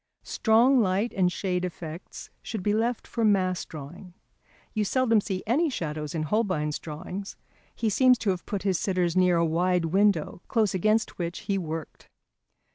Strong light and shade effects should be left for mass drawing. You seldom see any shadows in Holbein's drawings; he seems to have put his sitters near a wide window, close against which he worked.